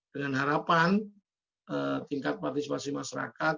dengan harapan tingkat partisipasi masyarakat